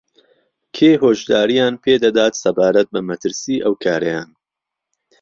کێ هۆشدارییان پێدەدات سەبارەت بە مەترسیی ئەو کارەیان